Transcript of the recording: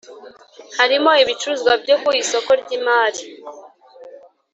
Harimo ibicuruzwa byo ku isoko ry imari